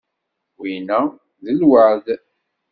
Winna d lweεd.